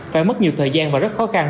phải mất nhiều thời gian và rất khó khăn